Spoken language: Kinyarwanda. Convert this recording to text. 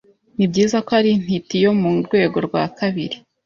Nibyiza ko ari intiti yo mu rwego rwa kabiri.